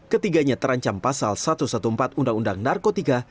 ketiganya terancam pasal satu ratus empat belas undang undang narkotika